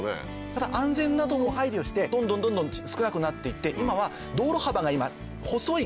ただ安全などを配慮してどんどん少なくなっていって今は道路幅が細い